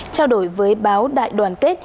trao đổi với báo đại đoàn kết